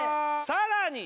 さらに！